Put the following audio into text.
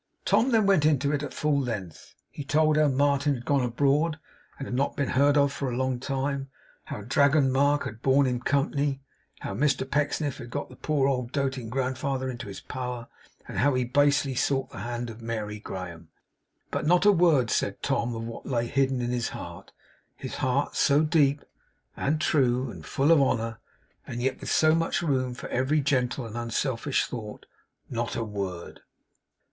Tom then went into it, at full length; he told how Martin had gone abroad, and had not been heard of for a long time; how Dragon Mark had borne him company; how Mr Pecksniff had got the poor old doting grandfather into his power; and how he basely sought the hand of Mary Graham. But not a word said Tom of what lay hidden in his heart; his heart, so deep, and true, and full of honour, and yet with so much room for every gentle and unselfish thought; not a word.